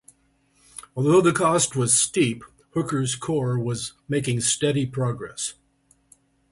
Although the cost was steep, Hooker's corps was making steady progress.